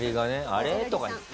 「あれ？」とか言って。